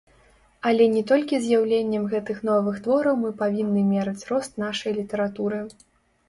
Але не толькі з'яўленнем гэтых новых твораў мы павінны мераць рост нашай літаратуры.